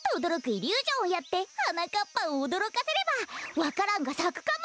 イリュージョンをやってはなかっぱをおどろかせればわか蘭がさくかも。